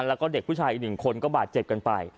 แล้วก็เด็กผู้ชายอีกหนึ่งคนก็บาดเจ็บกันไป